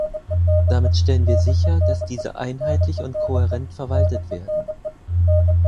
Damit stellen wir sicher, dass diese einheitlich und kohärent verwaltet werden.